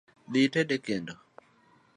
Dhii ited e kendo .